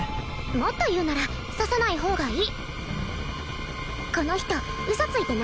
もっと言うなら刺さない方がいい